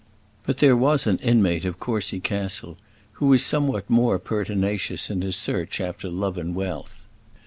But there was an inmate of Courcy Castle who was somewhat more pertinacious in his search after love and wealth.